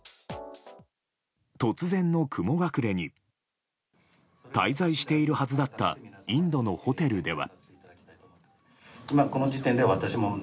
突然の雲隠れに滞在しているはずだったインドのホテルでは。